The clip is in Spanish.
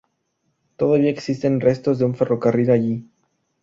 Todavía existen restos de un ferrocarril allí.